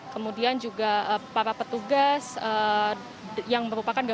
kemudian juga para petugas yang merupakan